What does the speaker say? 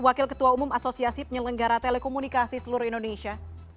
wakil ketua umum asosiasi penyelenggara telekomunikasi seluruh indonesia